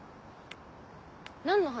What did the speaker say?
何の話？